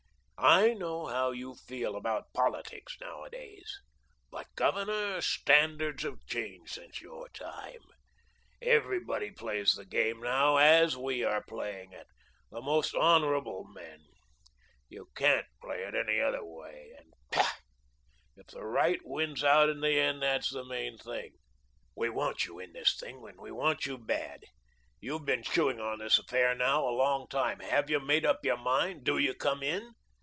I know how you feel about politics nowadays. But, Governor, standards have changed since your time; everybody plays the game now as we are playing it the most honourable men. You can't play it any other way, and, pshaw! if the right wins out in the end, that's the main thing. We want you in this thing, and we want you bad. You've been chewing on this affair now a long time. Have you made up your mind? Do you come in?